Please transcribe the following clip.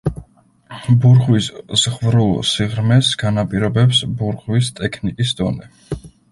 ბურღვის ზღვრულ სიღრმეს განაპირობებს ბურღვის ტექნიკის დონე.